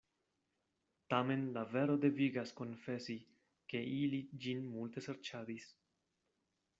Tamen la vero devigas konfesi, ke ili ĝin multe serĉadis.